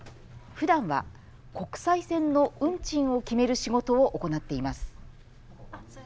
ふだんは国際線の運賃を決める仕事を行っています。